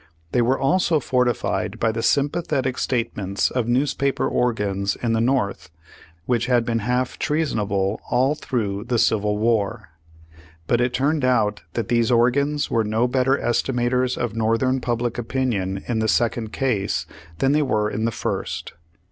They were also forti fied by the sympathetic statements of newspaper organs in the North, which had been half trea sonable all through the Civil War. But it turned out that these organs were no better estimators of Northern public opinion in the second case, than they were in the first.